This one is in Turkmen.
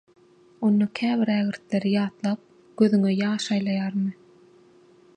Onda käbir ägirtleri ýatlap gözüňe ýaş aýlanarmy?